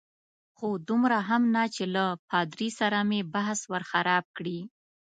خو دومره هم نه چې له پادري سره مې بحث ور خراب کړي.